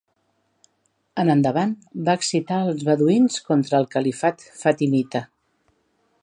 En endavant va excitar els beduïns contra el califat fatimita.